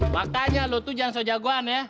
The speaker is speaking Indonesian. makanya lo tuh jangan sok jagoan ya